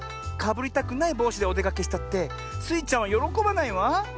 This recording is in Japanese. かぶりたくないぼうしでおでかけしたってスイちゃんはよろこばないわ。